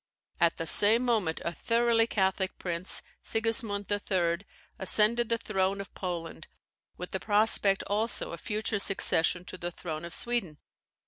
At the same moment a thoroughly Catholic prince, Sigismund III., ascended the throne of Poland, with the prospect also of future succession to the throne of Sweden.